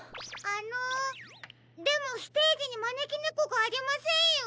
あのでもステージにまねきねこがありませんよ。